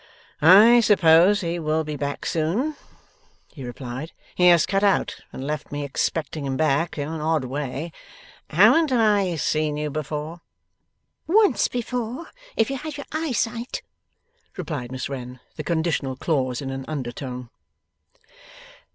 'I suppose he will be back soon,' he replied; 'he has cut out and left me expecting him back, in an odd way. Haven't I seen you before?' 'Once before if you had your eyesight,' replied Miss Wren; the conditional clause in an under tone.